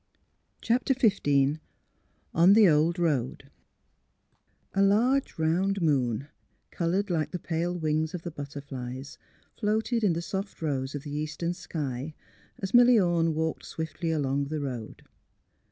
CHAPTER XV ON THE OLD ROAD 'A LARGB round moon, coloured like tlie pale wings of the butterflies, floated in tlie soft rose of the eastern sky as Milly Orne walked swiftly along the road.